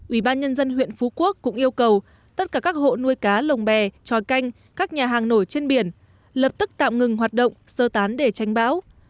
ubnd huyện phú quốc cũng yêu cầu tất cả các hộ nuôi cá lồng bè trò canh các nhà hàng nổi trên biển lập tức tạm ngừng hoạt động sơ tán để tranh báo